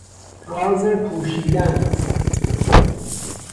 راز پوشیدن